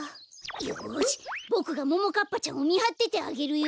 よしボクがももかっぱちゃんをみはっててあげるよ。